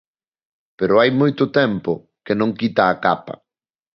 Pero hai moito tempo que non quita a capa.